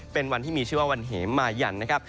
เป็นวันที่มีชื่อว่าวันเหมมายันนะครับ